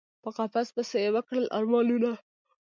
په قفس پسي یی وکړل ارمانونه